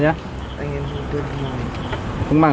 anh em vô cơ đi mạng